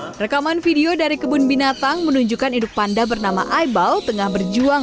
hai rekaman video dari kebun binatang menunjukkan hidup panda bernama aibau tengah berjuang